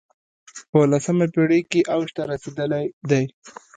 په لسمه پېړۍ کې اوج ته رسېدلی دی